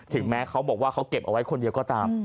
ถึงแม้เขาบอกว่าเขาเก็บเอาไว้คนเดียวก็ตาม